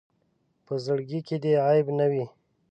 په زړۀ کې دې عیب نه وي.